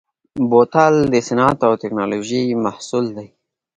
بوتل د صنعت او تکنالوژۍ محصول دی.